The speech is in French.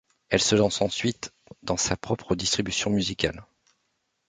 Elle se lance ensuite dans sa propre distribution musicale.